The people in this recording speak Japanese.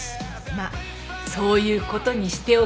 まっそういうことにしておきましょう。